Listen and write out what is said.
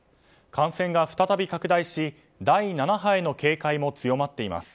感染が再び拡大し第７波への警戒が強まっています。